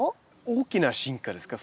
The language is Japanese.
大きな進化ですか？